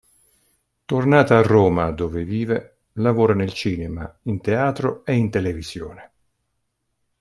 Tornata a Roma, dove vive, lavora nel cinema, in teatro e in televisione.